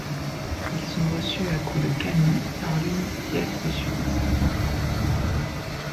Ils sont reçus à coups de canon par l'unique pièce des sudistes.